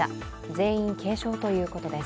全員軽症ということです。